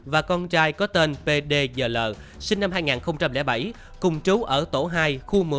và con trai có tên p d g l sinh năm hai nghìn bảy cùng trú ở tổ hai khu một mươi